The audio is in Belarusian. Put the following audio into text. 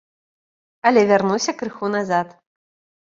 Але вярнуся крыху назад.